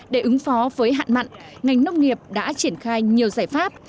để ứng phó với hạn mặn ngành nông nghiệp đã triển khai nhiều giải pháp